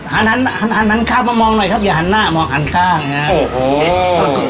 หันหน้ามามองหน่อยครับอย่าหันหน้ามองวางข้าง